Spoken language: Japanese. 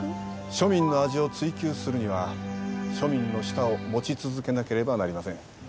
庶民の味を追求するには庶民の舌を持ち続けなければなりません。